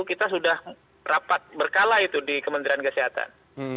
kita sudah rapat berkala itu di kementerian kesehatan